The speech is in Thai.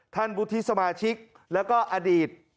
ท่านบุธิสมาชิกแล้วก็อดีต